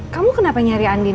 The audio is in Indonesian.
kamu kenapa nyari andin